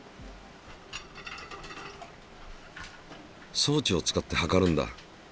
装置を使って測るんだ。